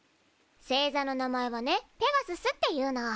星座の名前はね「ペガスス」っていうの。